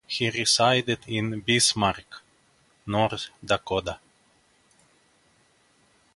He resided in Bismarck, North Dakota.